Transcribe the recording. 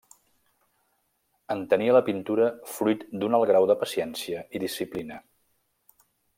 Entenia la pintura fruit d'un alt grau de paciència i disciplina.